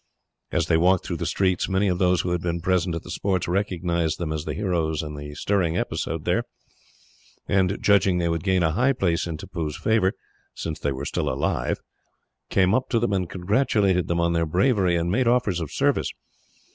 As they walked through the streets, many of those who had been present at the sports recognised them as the heroes in the stirring episode there, and, judging they would gain a high place in Tippoo's favour, came up to them and congratulated them on their bravery, and made offers of service.